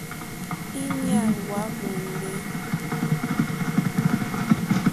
Íɲá hwá mò ŋɡbè.